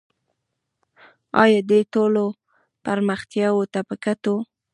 آیا دې ټولو پرمختیاوو ته په کتو